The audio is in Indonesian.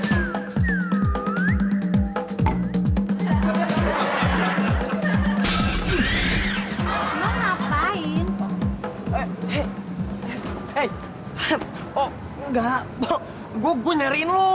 eh eh eh oh enggak gue nyariin lo